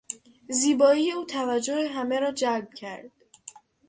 زیبایی او توجه همه را جلب کرد.